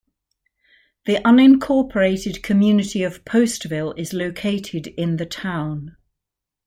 The unincorporated community of Postville is located in the town.